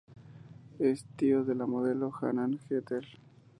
Es tío de la modelo Hannah Jeter.